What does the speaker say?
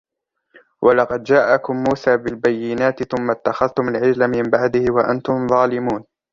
ولقد جاءكم موسى بالبينات ثم اتخذتم العجل من بعده وأنتم ظالمون